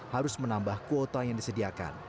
harus menambah kuota yang disediakan